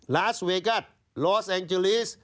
ลาสเวกัสลอสแองเจลิส